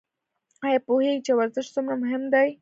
ایا پوهیږئ چې ورزش څومره مهم دی؟